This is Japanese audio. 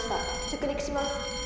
着陸します」。